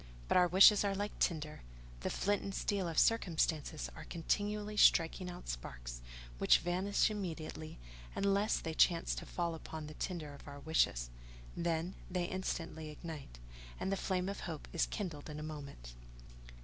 But our wishes are like tinder: the flint and steel of circumstances are continually striking out sparks, which vanish immediately, unless they chance to fall upon the tinder of our wishes; then, they instantly ignite, and the flame of hope is kindled in a moment.